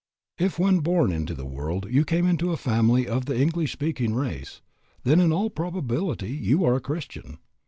If when born into the world you came into a family of the English speaking race, then in all probability you are a Christian.